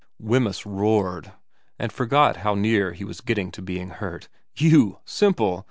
Wemyss roared, and forgot how near he was getting to being hurt. ' You simple